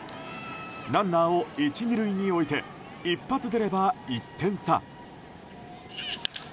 ランナーを１、２塁に置いて一発出れば１点差。